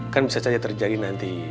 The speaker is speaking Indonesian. kan bisa saja terjadi nanti